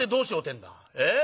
ええ？